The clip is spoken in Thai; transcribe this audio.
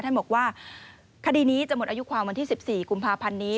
ท่านบอกว่าคดีนี้จะหมดอายุความวันที่๑๔กุมภาพันธ์นี้